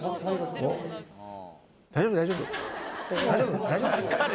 大丈夫大丈夫！